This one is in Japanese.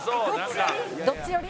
「どっち寄り？